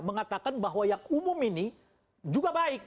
mengatakan bahwa yang umum ini juga baik